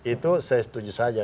itu saya setuju saja